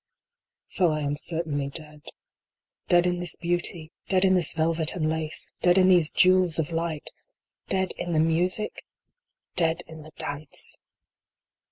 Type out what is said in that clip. So I am certainly dead. Dead in this beauty ! Dead in this velvet and lace ! Dead in these jewels of light ! Dead in the music ! Dead in the dance